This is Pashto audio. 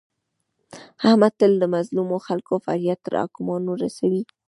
احمد تل د مظلمو خلکو فریاد تر حاکمانو رسوي.